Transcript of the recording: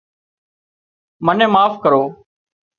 منين معاف ڪرو